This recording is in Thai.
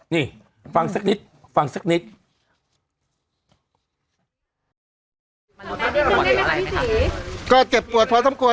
นี่ฟังสักนิดฟังสักนิด